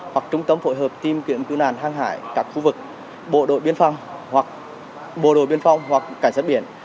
hoặc trung tâm phối hợp tìm kiểm cứu nạn hang hải các khu vực bộ đội biên phong hoặc cảnh sát biển